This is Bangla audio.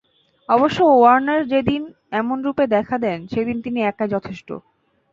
অবশ্য ওয়ার্নার যেদিন এমন রূপে দেখা দেন, সেদিন তিনি একাই যথেষ্ট।